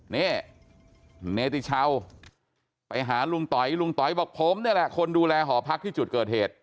นี่เนติชาวไปหาลุงต๋อยลุงต๋อยบอกผมนี่แหละคนดูแลหอพักที่จุดเกิดเหตุ